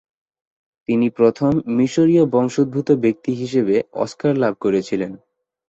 তিনি প্রথম মিসরীয় বংশোদ্ভূত ব্যক্তি হিসেবে অস্কার লাভ করেন।